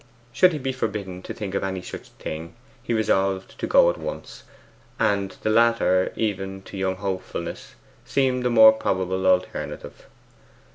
Should he be forbidden to think of any such thing, he resolved to go at once. And the latter, even to young hopefulness, seemed the more probable alternative.